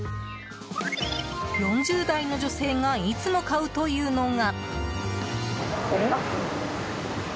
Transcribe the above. ４０代の女性がいつも買うというのが。